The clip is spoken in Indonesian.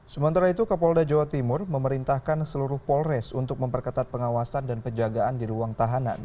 sementara itu kapolda jawa timur memerintahkan seluruh polres untuk memperketat pengawasan dan penjagaan di ruang tahanan